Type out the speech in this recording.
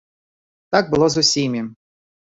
Так было з усімі.